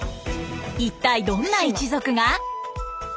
一体どんな一族が？